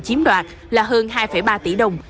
chiếm đoạt là hơn hai ba tỷ đồng